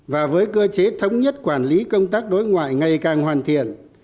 và với cơ chế thống nhất quản lý công tác đối ngoại ngày càng hoàn thiện